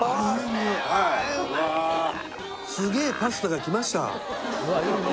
ニオイすげえパスタが来ました